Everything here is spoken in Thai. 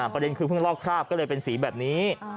ประเด็นคือเพิ่งลอกคราบก็เลยเป็นสีแบบนี้